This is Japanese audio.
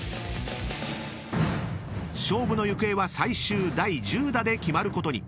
［勝負の行方は最終第１０打で決まることに］